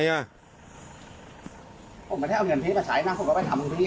ผมไม่ได้เอาเงินพี่มาใช้นะผมก็ไปทำคุณพี่